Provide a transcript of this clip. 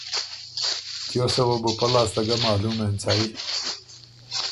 تیوسه بُو پۀ لاسته ګۀ معلوم اېنڅئ